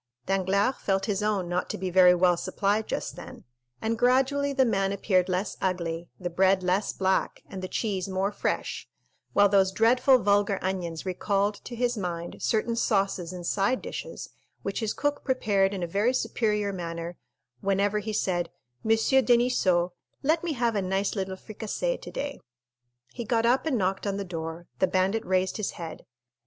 Danglars felt his own not to be very well supplied just then, and gradually the man appeared less ugly, the bread less black, and the cheese more fresh, while those dreadful vulgar onions recalled to his mind certain sauces and side dishes, which his cook prepared in a very superior manner whenever he said, "Monsieur Deniseau, let me have a nice little fricassee today." He got up and knocked on the door; the bandit raised his head.